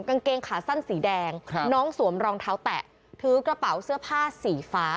กางเกงขาสั้นสีแดงครับน้องสวมรองเท้าแตะถือกระเป๋าเสื้อผ้าสีฟ้า